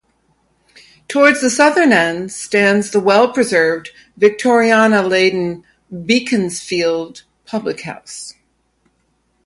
Towards the southern end stands the well-preserved, Victoriana-laden "Beaconsfield" public house.